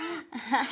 ハハハ！